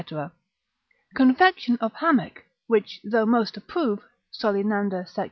Confection of Hamech, which though most approve, Solenander sec.